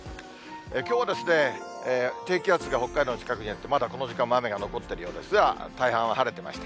きょうは低気圧が北海道の近くにあって、まだ、この時間も雨が残っているようですが、大半は晴れてます。